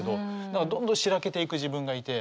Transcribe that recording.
だからどんどん白けていく自分がいて。